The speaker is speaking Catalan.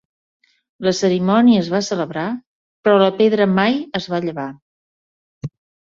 La cerimònia es va celebrar però la pedra mai es va llevar.